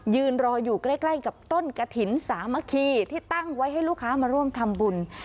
ยืนรออยู่ใกล้กับต้นกะถิ่นสามัคคีที่ตั้งไว้ให้ลูกค้ามาร่วมทำบุญ